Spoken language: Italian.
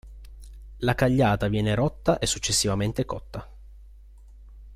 La cagliata viene rotta e successivamente cotta.